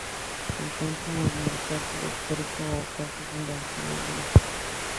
Se encuentra en el Casco Histórico o Casco Fundacional de la ciudad.